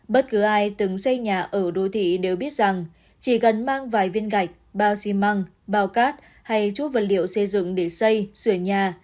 bất cứ ai từng xây nhà ở đô thị đều biết rằng chỉ cần mang vài viên gạch bao xi măng bao cát hay chút vật liệu xây dựng để xây sửa nhà